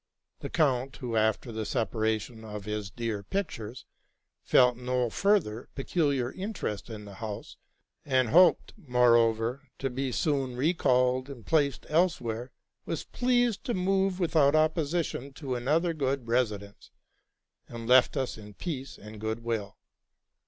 The count, who, after the separation from his dear pictures, felt no further peculiar interest in the house, and hoped, moreover, to be soon recalled and placed elsewhere, was pleased to move without opposition to an other good residence, and left us in peace and good will.